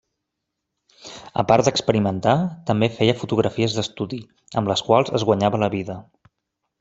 A part d'experimentar, també feia fotografies d'estudi, amb les quals es guanyava la vida.